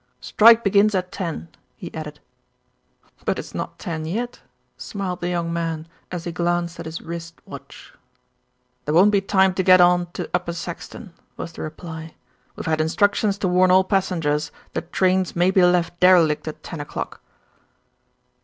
"Strike begins at ten," he added. "But it's not ten yet," smiled the young man, as he glanced at his wrist watch. "There won't be time to get on to Upper Saxton," was the reply. "We've had instructions to warn all passengers that trains may be left derelict at ten o'clock."